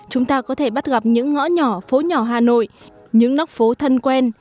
chúng ta có thể bắt gặp những ngõ nhỏ phố nhỏ hà nội những nóc phố thân quen